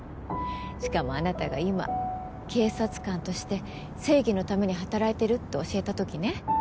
しかもあなたが今警察官として正義のために働いてるって教えた時ね